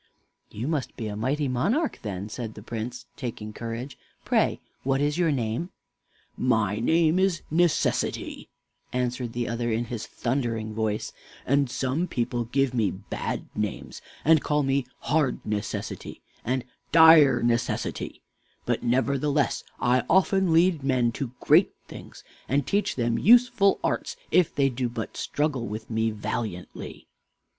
"You must be a mighty monarch, then," said the young Prince, taking courage, "Pray, what is your name?" "My name is Necessity," answered the other in his thundering voice; "and some people give me bad names, and call me 'Hard Necessity' and 'Dire Necessity;' but, nevertheless, I often lead men to great things and teach them useful arts if they do but struggle with me valiantly."